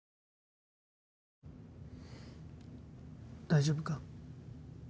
大丈夫か？